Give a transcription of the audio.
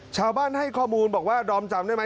ชาวบ้านให้ข้อมูลบอกว่าดอมจำได้ไหม